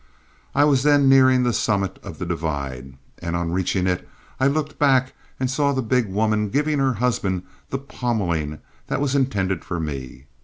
I was then nearing the summit of the divide, and on reaching it, I looked back and saw the big woman giving her husband the pommeling that was intended for me.